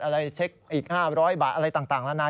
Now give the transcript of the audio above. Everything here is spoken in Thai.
อะไรเช็คอีก๕๐๐บาทอะไรต่างนานา